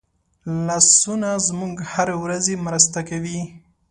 لاسونه زموږ هره ورځي مرسته کوي